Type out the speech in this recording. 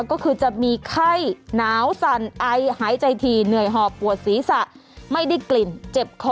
ก็คือจะมีไข้หนาวสั่นไอหายใจทีเหนื่อยหอบปวดศีรษะไม่ได้กลิ่นเจ็บคอ